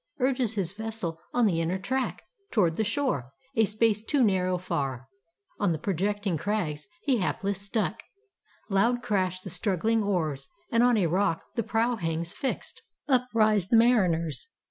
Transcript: Urges his vessel on the inner track Toward the shore, a space too narrow far, On the projecting crags he hapless struck. Loud crash the struggling oars, and on a rock The prow hangs fixed. Up rise the mariners.